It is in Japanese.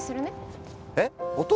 えっ？